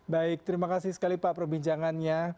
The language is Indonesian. baik terima kasih sekali pak perbincangannya